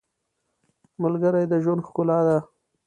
• ملګری د ژوند ښکلا ده.